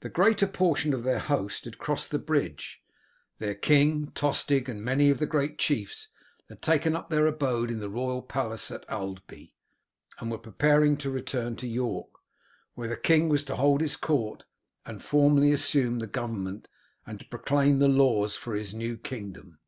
The greater portion of their host had crossed the bridge; their king, Tostig, and many of the great chiefs had taken up their abode in the royal palace at Aldby, and were preparing to return to York, where the king was to hold his court and formally to assume the government and to proclaim the laws for his new kingdom.